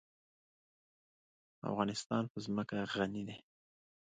افغانستان په ځمکه غني دی.